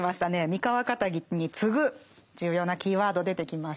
「三河かたぎ」に次ぐ重要なキーワード出てきました。